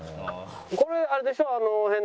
これあれでしょ？